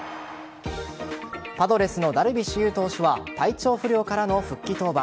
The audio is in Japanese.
パドレスのダルビッシュ有投手は体調不良からの復帰登板。